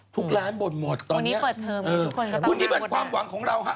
ทุกร้านบ่นหมดตอนนี้อือพูดดีแบบความหวังของเราค่ะ